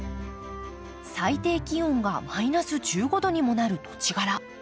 最低気温がマイナス１５度にもなる土地柄。